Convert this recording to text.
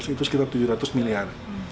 itu sekitar tujuh ratus miliar